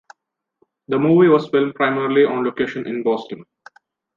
The movie was filmed primarily on location in Boston.